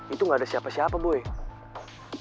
itu gak ada siapa siapa boy